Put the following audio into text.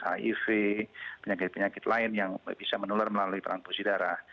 hiv penyakit penyakit lain yang bisa menular melalui transfusi darah